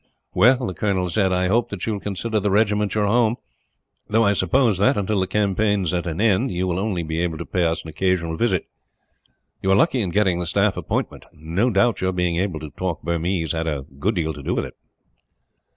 "Well," the colonel said, "I hope that you will consider the regiment your home; though I suppose that, until the campaign is at an end, you will only be able to pay us an occasional visit. You are lucky in getting the staff appointment. No doubt your being able to talk Burmese has a great deal to do with it."